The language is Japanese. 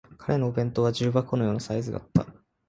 彼のお弁当は重箱のようなサイズだった